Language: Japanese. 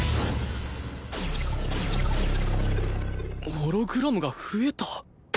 ホログラムが増えた？